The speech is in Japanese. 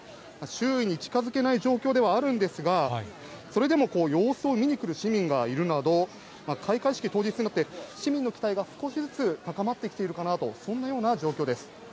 周囲に近づけない状況ではあるんですが、それでも様子を見に来る市民がいるなど、開会式当日になって、市民の期待が少しずつ高まってきているかなと、そんなような状況です。